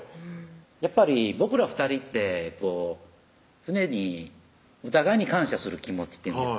やっぱり僕ら２人ってこう常にお互いに感謝する気持ちっていうんですか